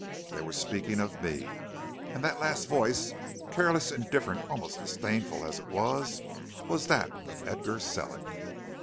"They were speaking of me, and the last voice, careless, indifferent, almost disdainful as it was, was that of Edgar Sellick.